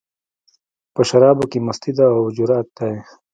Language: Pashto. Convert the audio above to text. په شرابو کې مستي ده، او جرت دی